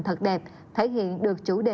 thật đẹp thể hiện được chủ đề